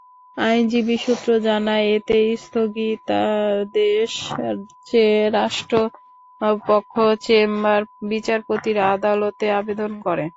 আইনজীবী সূত্র জানায়, এতে স্থগিতাদেশ চেয়ে রাষ্ট্রপক্ষ চেম্বার বিচারপতির আদালতে আবেদন করে।